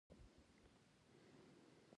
په پایله کې د څرمن د توکو بیه ټیټېږي